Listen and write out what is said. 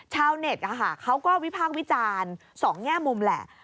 ชาวเน็ตเขาก็วิพากษ์วิจารณ์สองแง่มุมแหละ